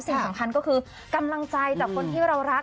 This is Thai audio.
สิ่งสำคัญก็คือกำลังใจจากคนที่เรารัก